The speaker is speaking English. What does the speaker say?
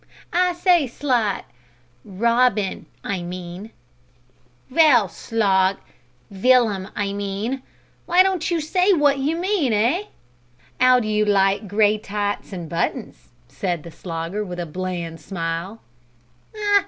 I say, Slid Robin, I mean " "Vell, Slog Villum, I mean; why don't you say wot you mean, eh?" "'Ow d'you like grey tights an' buttons?" said the Slogger, with a bland smile.